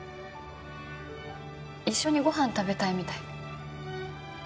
一緒にご飯食べたいみたい。